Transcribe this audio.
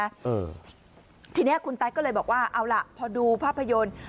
เออทีเนี้ยคุณแต๊กก็เลยบอกว่าเอาล่ะพอดูภาพยนตร์